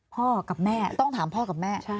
พ่อกับแม่ต้องถามพ่อกับแม่